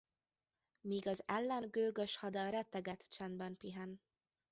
Míg az ellen gőgös hada rettegett csendben pihen.